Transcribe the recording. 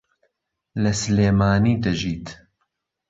لە سلێمانی دەژیت.